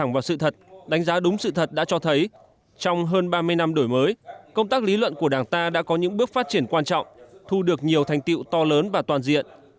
và đúng sự thật đã cho thấy trong hơn ba mươi năm đổi mới công tác lý luận của đảng ta đã có những bước phát triển quan trọng thu được nhiều thành tiệu to lớn và toàn diện